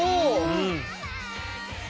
うん。